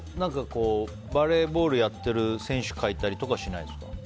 バレーボールをやってる選手を描いたりとかはしないんですか。